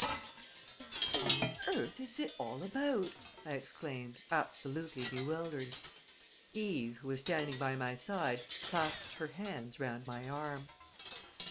"What on earth is it all about?" I exclaimed, absolutely bewildered. Eve, who was standing by my side, clasped her hands round my arm.